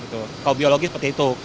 kalau biologi seperti itu